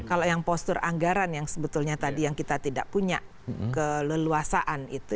kalau yang postur anggaran yang sebetulnya tadi yang kita tidak punya keleluasaan itu